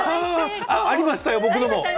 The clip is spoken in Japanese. ありましたよ、僕のも。